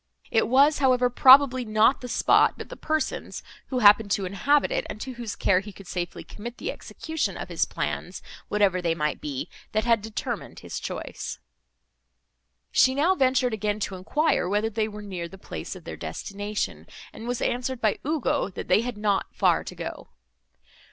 It was, however, probably not the spot, but the persons, who happened to inhabit it, and to whose care he could safely commit the execution of his plans, whatever they might be, that had determined his choice. She now ventured again to enquire, whether they were near the place of their destination, and was answered by Ugo, that they had not far to go.